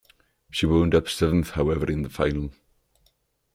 She wound up seventh, however, in the final.